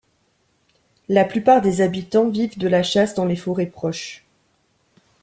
La plupart des habitants vivent de la chasse dans les forêts proches.